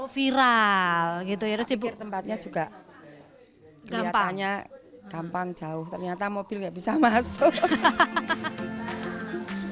viral gitu ya tempatnya juga gampangnya gampang jauh ternyata mobil nggak bisa masuk